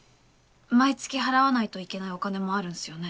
毎月払わないといけないお金もあるんすよね？